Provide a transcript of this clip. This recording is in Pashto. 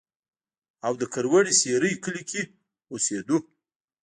او د کروړې سېرۍ کلي کښې اوسېدو